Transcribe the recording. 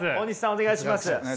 お願いします。